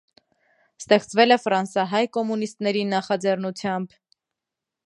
Ստեղծվել է ֆրանսահայ կոմունիստների նախաձեռնությամբ։